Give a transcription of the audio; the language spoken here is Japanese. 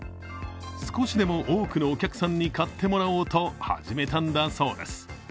少しでも多くのお客さんに買ってもらおうと始めたんだそうです。